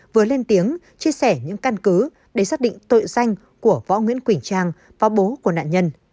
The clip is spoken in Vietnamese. vừa lên tiếng chia sẻ những căn cứ để xác định tội danh của võ nguyễn quỳnh trang và bố của nạn nhân